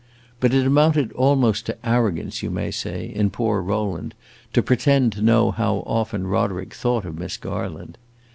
But it amounted almost to arrogance, you may say, in poor Rowland to pretend to know how often Roderick thought of Miss Garland.